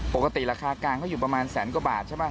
ปกติราคากลางเขาอยู่ประมาณแสนกว่าบาทใช่ไหม